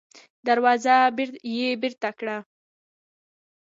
دروازه يې بېرته کړه.